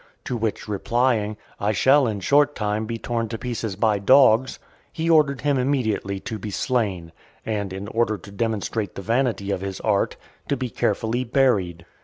To which replying, "I shall in a short time be torn to pieces by dogs," he ordered him immediately to be slain, and, in order to demonstrate the vanity of his art, to be carefully buried.